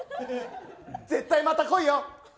絶対また来いよ！